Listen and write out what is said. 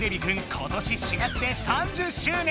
今年４月で３０周年！